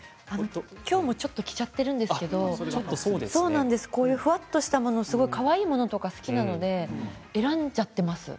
きょうもちょっと着ちゃっているんですけれどこういうふわっとしたかわいいものとか好きなので選んじゃっています。